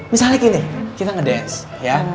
misalnya gini kita ngedance ya